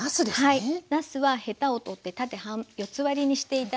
はい。